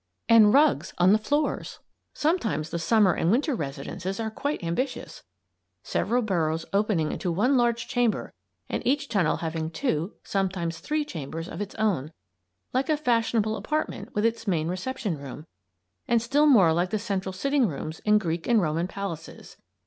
AND RUGS ON THE FLOORS! Sometimes the Summer and Winter residences are quite ambitious, several burrows opening into one large chamber and each tunnel having two, sometimes three, chambers of its own like a fashionable apartment with its main reception room, and still more like the central sitting rooms in Greek and Roman palaces.